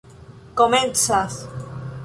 komencas